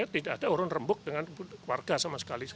tidak ada urun rembuk dengan warga sama sekali